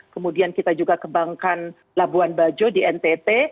kemudian kita juga kebangkan labuan bajo di ntt